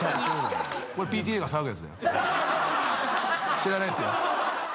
知らないっすよ。